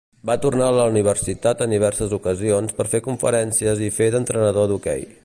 Va tornar a la universitat en diverses ocasions per fer conferències i fer d'entrenador d'hoquei.